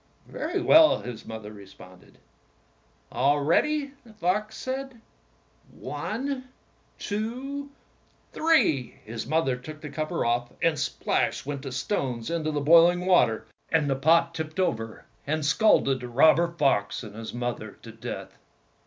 "Very well," his mother responded. "All ready," the fox said; "one, two, three!" His mother took the cover off, and splash went the stones into the boiling water, and the pot tipped over and scalded the robber fox and his mother to death.